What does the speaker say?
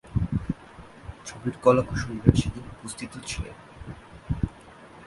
ছবির কলা-কুশলীরা সেদিন উপস্থিত ছিলেন।